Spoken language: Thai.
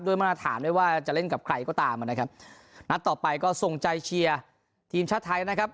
มาตรฐานด้วยว่าจะเล่นกับใครก็ตามนะครับนัดต่อไปก็ส่งใจเชียร์ทีมชาติไทยนะครับ